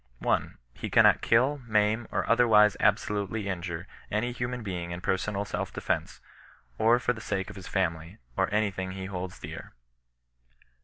1. He cannot kiU, maim, or otherwise absolutely injure stxij human being in personal self defence, or for the sake of his family, or any thing he holds dear.